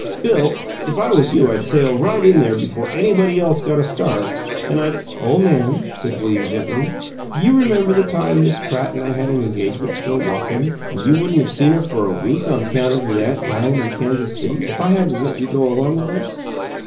Bill, if I was you I'd sail right in there before anybody else got a start, and I'd " "Ole man," said William, gently, "you remember the time Miss Pratt and I had an engagement to go walkin', and you wouldn't of seen her for a week on account of your aunt dyin' in Kansas City, if I hadn't let you go along with us?